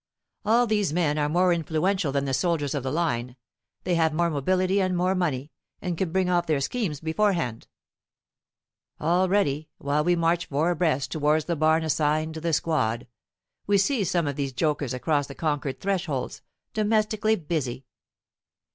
All these men are more influential than the soldiers of the line, they have more mobility and more money, and can bring off their schemes beforehand. Already, while we march four abreast towards the barn assigned to the squad, we see some of these jokers across the conquered thresholds, domestically busy.